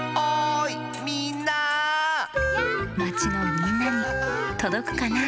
まちのみんなにとどくかな？